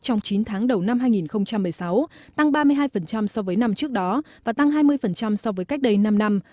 trong chín tháng đầu năm hai nghìn một mươi sáu tăng ba mươi hai so với năm trước đó và tăng hai mươi so với cách đây năm năm